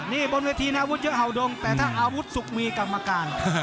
นี่บนกระทีน้ำเงินอาวุธเยอะกว่าแต่ทั้งอาวุธสุขมีกรรมการ